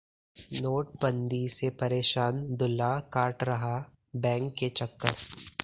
नोटबंदी से परेशान दूल्हा काट रहा बैंक के चक्कर